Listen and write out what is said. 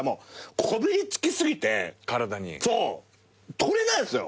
取れないんすよ。